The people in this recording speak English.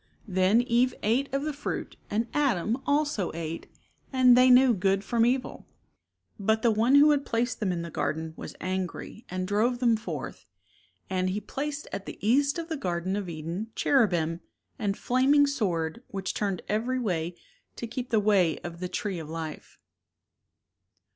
Then Eve ate of the fruit and Adam also ate and they knew good from evil. But The One who had placed them in the garden was angry and drove them forth, and "He placed at the east of the garden of Eden cherubim and a flaming sword which turned every way to keep the way of the tree of life."